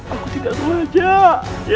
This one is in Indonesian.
aku tidak mau ajar